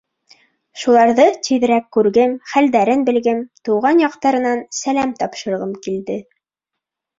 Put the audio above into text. Шуларҙы тиҙерәк күргем, хәлдәрен белгем, тыуған яҡтарынан сәләм тапшырғым килде.